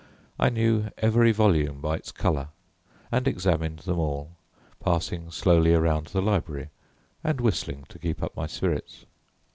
I knew every volume by its colour and examined them all, passing slowly around the library and whistling to keep up my spirits.